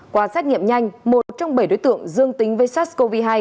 qua xét nghiệm nhanh một trong bảy đối tượng dương tính với sars cov hai